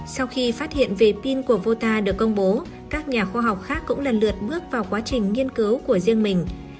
sau khi phát hiện về pin của vota được công bố các nhà khoa học khác cũng lần lượt bước vào quá trình nghiên cứu của riêng mình